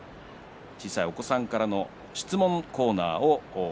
小さいお子さんからの質問コーナー